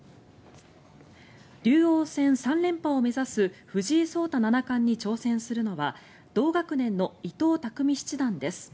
竜王戦３連覇を目指す藤井聡太七冠に挑戦するのは同学年の伊藤匠七段です。